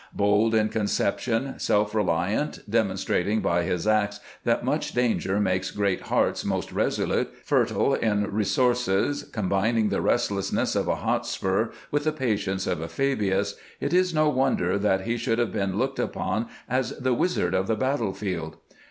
Bold in concep tion, self reliant, demonstrating by his acts that " much danger makes great hearts most resolute," fertile in re sources, combining the restlessness of a Hotspur with the patience of a Fabius, it is no wonder that he should have been looked upon as the wizard of the battle field.